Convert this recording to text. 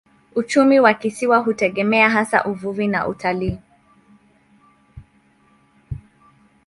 Uchumi wa kisiwa hutegemea hasa uvuvi na utalii.